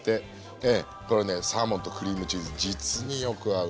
これねサーモンとクリームチーズ実によく合うんです。